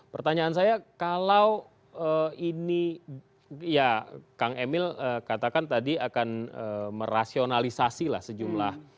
pertanyaan saya kalau ini ya kang emil katakan tadi akan merasionalisasi lah sejumlah